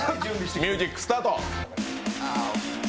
ミュージックスタート！